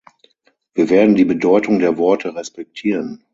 Wir werden die Bedeutung der Worte respektieren.